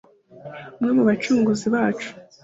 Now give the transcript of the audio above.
Umwe mu bacunguzi bacu